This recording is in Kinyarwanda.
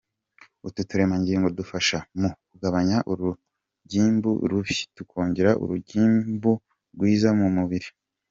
Utu turemangingo dufasha mu kugabanya urugimbu rubi tukongera urugimbu rwiza mu mubiri.